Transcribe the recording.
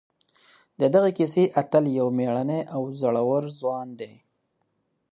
د دغې کیسې اتل یو مېړنی او زړور ځوان دی.